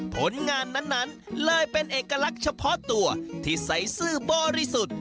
ผลงานนั้นเลยเป็นเอกลักษณ์เฉพาะตัวที่ใส่ซื่อบริสุทธิ์